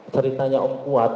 ceritanya om kuat